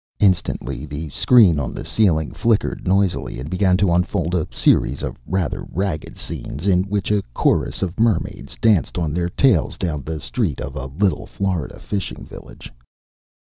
Instantly the screen on the ceiling flickered noisily and began to unfold a series of rather ragged scenes in which a chorus of mermaids danced on their tails down the street of a little Florida fishing village.